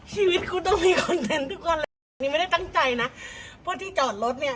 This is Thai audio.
ชีวิตคุณต้องมีคอนเทนต์ทุกคนเลยค่ะนี่ไม่ได้ตั้งใจนะเพราะที่จอดรถเนี่ย